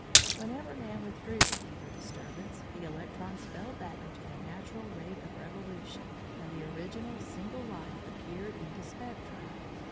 Whenever man withdrew the æther disturbance, the electrons fell back into their natural rate of revolution, and the original single line appeared in the spectrum.